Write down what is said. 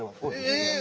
えっ